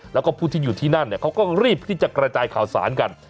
แล้วก็ผู้ที่อยู่ที่นั่นเขาก็รีบที่จะกระจายข่าวสารกัน